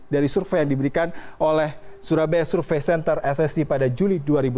dari survei yang diberikan oleh surabaya survei center ssc pada juli dua ribu delapan belas